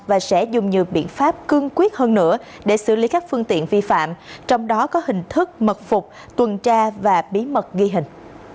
và sẽ dùng nhiều biện pháp cương quyết hơn nữa để xử lý các phương tiện vi phạm trong đó có hình thức mật phục tuần tra và bí mật ghi hình